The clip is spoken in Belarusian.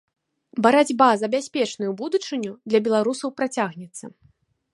Барацьба за бяспечную будучыню для беларусаў працягнецца.